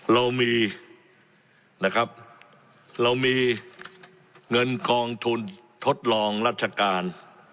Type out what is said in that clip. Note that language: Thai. เรามีเงินคลองทุนทดลองรัชการ